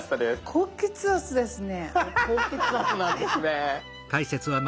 高血圧なんですね。